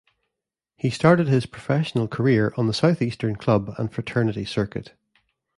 He started his professional career on the Southeastern club and fraternity circuit.